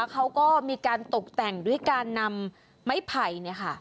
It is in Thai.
เขาก็มีการตกแต่งด้วยการนำไม้ไผ่